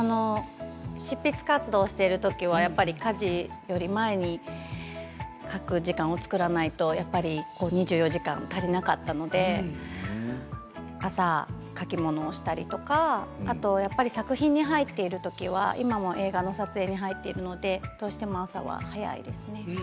執筆活動をしているときはやっぱり家事より前に書く時間を作らないと２４時間足りなかったので朝、書き物をしたりとか作品に入っているときは今も映画の撮影に入っているのでどうしても朝は早いですね。